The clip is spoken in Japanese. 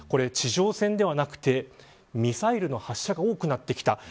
地上戦ではなくて、ミサイルの発射が多くなってきた。